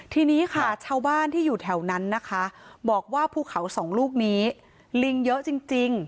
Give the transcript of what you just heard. ทีนี้ค่ะชาวบ้านที่อยู่แถวนั้นนะคะบอกว่าภูเขาสองลูกนี้ลิงเยอะจริง